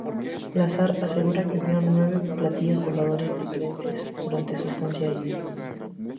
Lazar asegura que vio nueve platillos volantes diferentes durante su estancia allí.